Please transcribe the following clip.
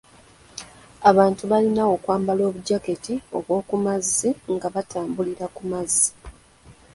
Abantu balina okwambala obujaketi bw'okumazzi nga batambulira ku mazzi.